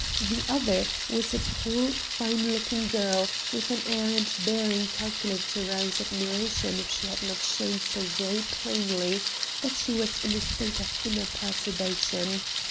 The other was a tall, fine looking girl, with an air and bearing calculated to rouse admiration if she had not shown so very plainly that she was in a state of inner perturbation.